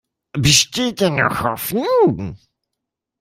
Besteht denn noch Hoffnung?